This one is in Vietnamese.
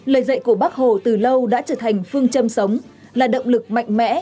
lời dạy của bác hồ từ lâu đã trở thành phương châm sống là động lực mạnh mẽ